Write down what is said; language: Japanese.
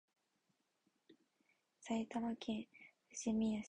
埼玉県ふじみ野市